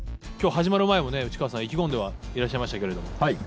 今日始まる前もね内川さん意気込んではいらっしゃいましたけど。